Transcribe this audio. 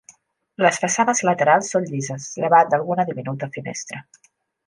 Les façanes laterals són llises, llevat d'alguna diminuta finestra.